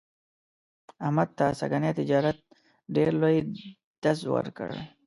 احمد ته سږني تجارت ډېر لوی ډز ور کړ.